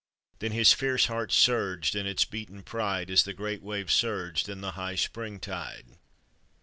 Then his fierce heart surged in its beaten pride As the great waves surged in the high spring tide.